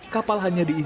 kapal hanya diizinkan